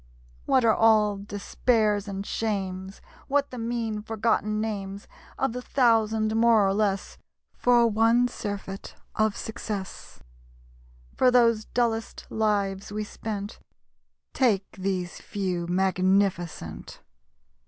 What are all despairs and shames, What the mean, forgotten names Of the thousand more or less, For one surfeit of success? For those dullest lives we spent, Take these Few magnificent!